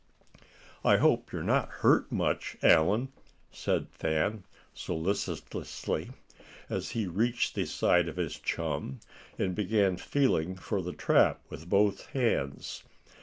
"I hope you're not hurt much, Allan?" said Thad, solicitously, as he reached the side of his chum, and began feeling for the trap with both hands.